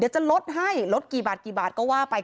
จะลดให้ลดกี่บาทกี่บาทก็ว่าไป